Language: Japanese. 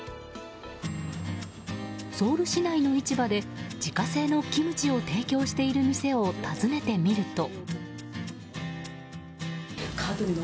ソウル市内の市場で自家製のキムチを提供している店を訪ねてみると。